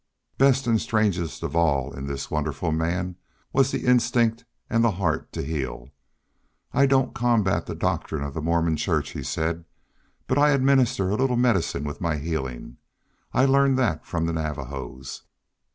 Best and strangest of all in this wonderful man was the instinct and the heart to heal. "I don't combat the doctrine of the Mormon church," he said, "but I administer a little medicine with my healing. I learned that from the Navajos."